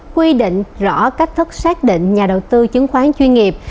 quy định rõ cách thức xác định nhà đầu tư chứng khoán chuyên nghiệp